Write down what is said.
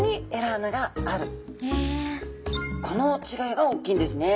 この違いが大きいんですね。